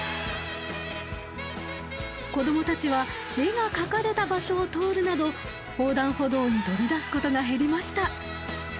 子供たちは絵が描かれた場所を通るなど横断歩道に飛び出すことが減りました。